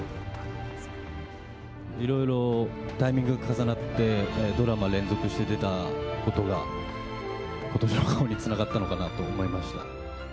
いろいろタイミングが重なって、ドラマ、連続して出たことが、今年の顔につながったのかなと思いました。